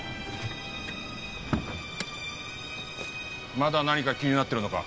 まだ何か気になってるのか？